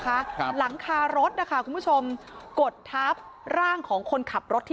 ครับหลังคารถนะคะคุณผู้ชมกดทับร่างของคนขับรถที่